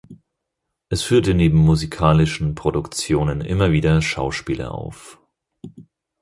Es führte neben musikalischen Produktionen immer wieder Schauspiele auf.